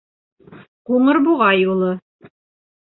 Ҡуңыр буға юлы...